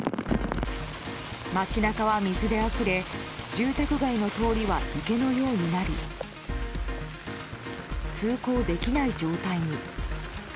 街中は水であふれ住宅街の通りは池のようになり通行できない状態に。